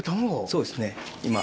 そうですね。